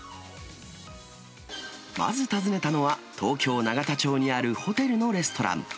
まず訪ねたのは、東京・永田町にあるホテルのレストラン。